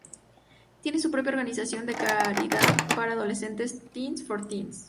Tiene su propia organización de caridad para adolescentes, Teens for teens.